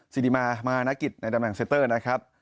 สิริมามานกิจในตำแหนเซเตอร์นะครับ